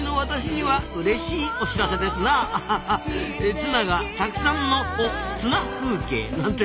ツナがたくさんのおツナ風景なんて。